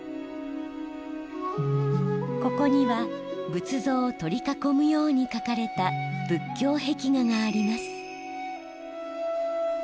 ここには仏像を取り囲むように描かれた仏教壁画があります。